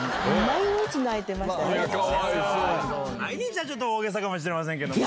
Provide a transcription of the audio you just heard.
毎日はちょっと大げさかもしれませんけどね。